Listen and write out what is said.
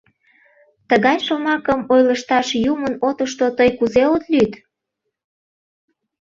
— Тыгай шомакым ойлышташ юмын отышто тый кузе от лӱд?